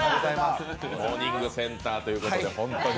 モーニングセンターということで本当に。